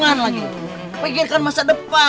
gop kamu masih bangun apa